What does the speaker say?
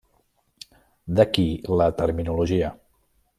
D'aquí la terminologia.